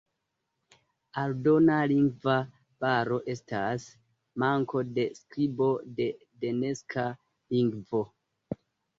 Aldona lingva baro estas manko de skribo de denaska lingvo.